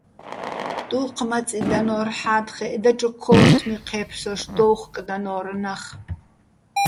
დუჴ მაწი დანო́რ ჰ̦ა́თხეჸ, დაჩო ქო́რთმი ჴე́ფსოშ დო́უ̆ხკდანო́რ ნახ.